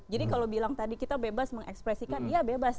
jadi kalau bilang tadi kita bebas mengekspresikan ya bebas